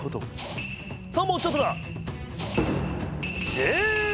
さあもうちょっとだ！